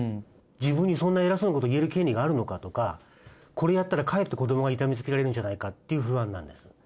自分にそんな偉そうなこと言える権利があるのかとかこれやったらかえって子どもが痛めつけられるんじゃないかっていう不安なんです。